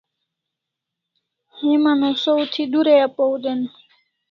Heman o saw thi durai apaw den dai